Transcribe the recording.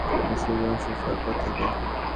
School জীবন শেষ হওয়ার পর থেকে।